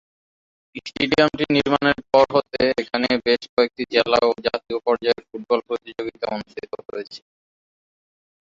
স্টেডিয়ামটি নির্মাণের পর হতে এখানে বেশ কয়েকটি জেলা ও জাতীয় পর্যায়ের ফুটবল প্রতিযোগিতা অনুষ্ঠিত হয়েছে।